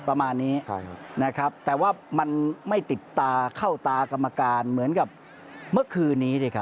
ประมาณนี้นะครับแต่ว่ามันไม่ติดตาเข้าตากรรมการเหมือนกับเมื่อคืนนี้สิครับ